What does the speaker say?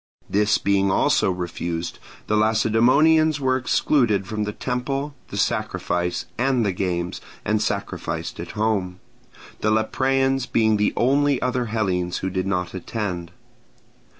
This being also refused, the Lacedaemonians were excluded from the temple, the sacrifice, and the games, and sacrificed at home; the Lepreans being the only other Hellenes who did not attend.